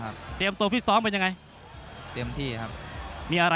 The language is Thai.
บรรจแนวน้ำ